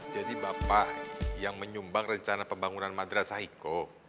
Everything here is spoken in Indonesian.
jadi bapak yang menyumbang rencana pembangunan madrasahiko